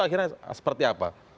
akhirnya seperti apa